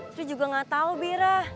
gue juga gak tau bira